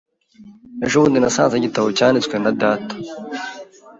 Ejo bundi nasanze igitabo cyanditswe na data .